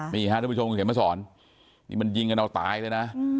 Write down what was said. มีฮะทุกผู้ชมเห็นไหมสอนนี่มันยิงกันเอาตายเลยนะ